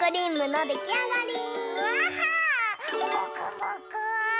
もくもく。